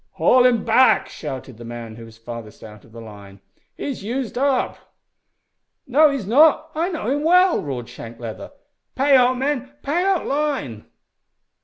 "Haul him back!" shouted the man who was farthest out on the line. "He's used up!" "No, he's not, I know him well!" roared Shank Leather. "Pay out, men pay out line!"